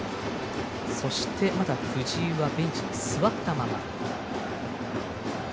そしてまだ藤井はベンチに座ったまま。